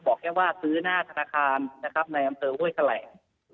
บอกแค่ว่าซื้อหน้าธนาคารนะครับนายอำเตอร์เว้ยแขล่ง